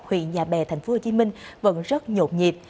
huyện nhà bè tp hcm vẫn rất nhộn nhịp